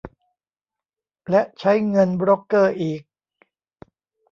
และใช้เงินโบรกเกอร์อีก